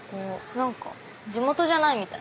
何か地元じゃないみたい。